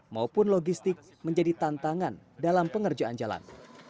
maupun logistik menjadi tantangan dalam pengerjaan jalan